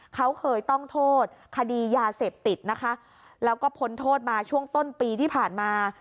เขาเคยต้องโทษคดียาเสพติดนะคะแล้วก็พ้นโทษมาช่วงต้นปีที่ผ่านมา